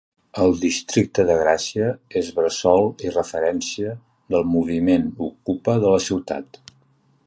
El districte de Gràcia és bressol i referència del moviment ocupa de la ciutat.